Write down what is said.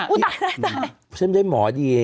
อุ๊ยตาย